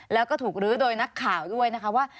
แล้วก็ถูกลื้อโดยนักข่าวด้วยนะคะว่า